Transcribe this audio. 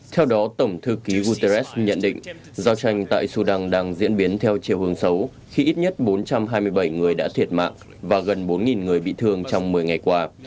theo đó tổng thư ký guterres nhận định giao tranh tại sudan đang diễn biến theo chiều hướng xấu khi ít nhất bốn trăm hai mươi bảy người đã thiệt mạng và gần bốn người bị thương trong một mươi ngày qua